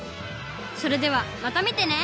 それではまたみてね！